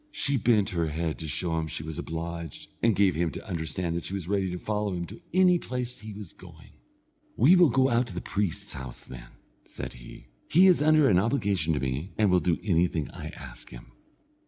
She bent her head, to show him she was obliged, and gave him to understand that she was ready to follow him to any place he was going. "We will go to the priest's house, then," said he; "he is under an obligation to me, and will do anything I ask him."